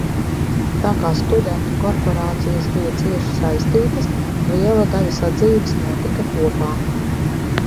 Tā kā studentu korporācijas bija cieši saistītas, liela daļa sadzīves notika kopā.